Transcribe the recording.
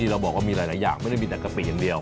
เราบอกว่ามีหลายอย่างไม่ได้มีแต่กะปิอย่างเดียว